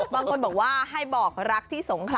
บางคนบอกว่าให้บอกรักที่สงขลา